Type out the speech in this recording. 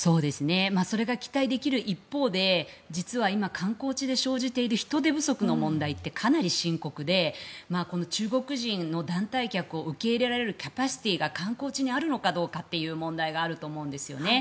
それが期待できる一方で実は今、観光地で生じている人手不足の問題ってかなり深刻でこの中国人の団体客を受け入れられるキャパシティーが観光地にあるのかどうかという問題があると思うんですよね。